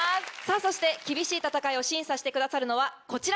そして厳しい戦いを審査してくださるのはこちら！